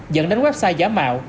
dẫn đến website giả mạo